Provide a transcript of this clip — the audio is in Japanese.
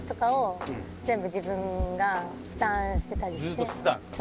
ずーっとしてたんですか？